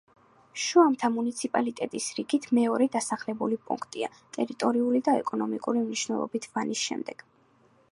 შუამთა მუნიციპალიტეტის რიგით მეორე დასახლებული პუნქტია, ტერიტორიული და ეკონომიკური მნიშვნელობით ვანის შემდეგ.